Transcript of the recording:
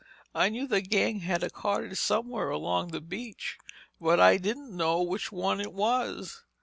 I knew the gang had a cottage somewhere along that beach, but I didn't know which one it was.